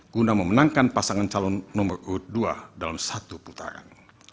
guna memenangkan pasangan calon nomor urut dua dalam satu putaran